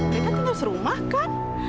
ternyata tinggal serumah kan